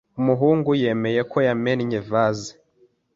Umuhungu yemeye ko yamennye vase.